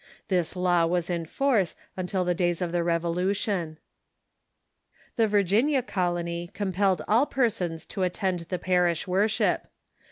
This law was in force until the days of the Revolution. The Virginia Colony compelled all persons to attend the parish worship.